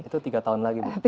itu tiga tahun lagi